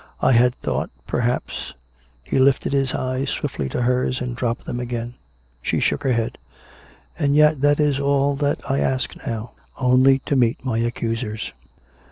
I had thought perhaps " He lifted his eyes swiftly to hers, and dropped them again. She shook her head. " And yet that is all that I ask now — only to meet my accusers.